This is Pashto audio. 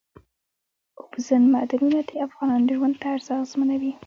اوبزین معدنونه د افغانانو د ژوند طرز اغېزمنوي.